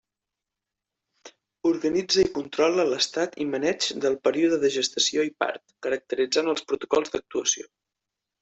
Organitza i controla l'estat i maneig del període de gestació i part, caracteritzant els protocols d'actuació.